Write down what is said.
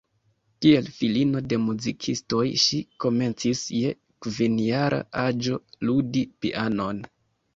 Kiel filino de muzikistoj ŝi komencis, je kvinjara aĝo, ludi pianon.